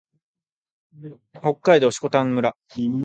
北海道色丹村